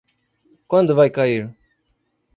Quando vai cair?